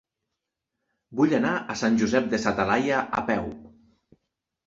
Vull anar a Sant Josep de sa Talaia a peu.